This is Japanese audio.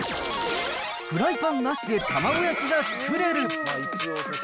フライパンなしで卵焼きが作れる。